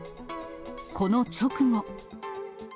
この直後。